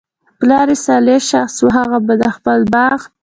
پلار ئي صالح شخص وو، هغه به د خپل باغ